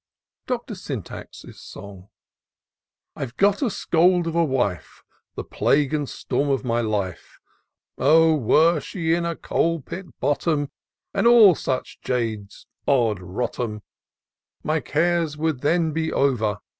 Doctor Syntax's Song. I've got a scold of a wife. The plague and storm of my life ; O ! were she in coal pit bottom. And all such jades, 'od rot 'em ! My cares would then be over.